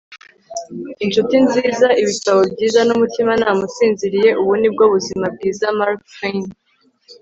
inshuti nziza, ibitabo byiza n'umutimanama usinziriye: ubu ni bwo buzima bwiza. - mark twain